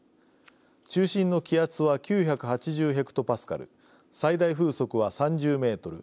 中心の気圧は９８０ヘクトパスカル最大風速は３０メートル